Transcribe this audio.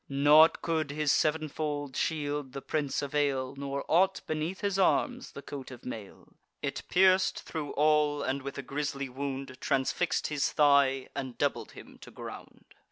Naught could his sev'nfold shield the prince avail, Nor aught, beneath his arms, the coat of mail: It pierc'd thro' all, and with a grisly wound Transfix'd his thigh, and doubled him to ground.